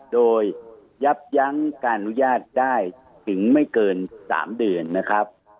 โดยยับยั้งการอนุญาตได้ถึงไม่เกิน๓เดือนนะครับ